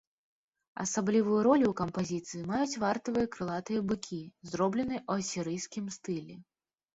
Асаблівую ролю ў кампазіцыі маюць вартавыя крылатыя быкі, зробленыя ў асірыйскім стылі.